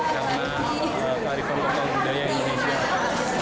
karena tarifan lokal budaya indonesia